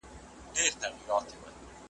له پروازه وه لوېدلي شهپرونه `